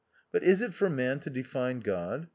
But is it for man to define God